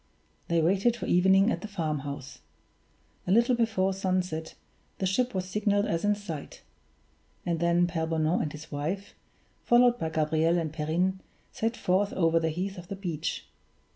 They waited for evening at the farmhouse. A little before sunset the ship was signaled as in sight; and then Pere Bonan and his wife, followed by Gabriel and Perrine, set forth over the heath to the beach.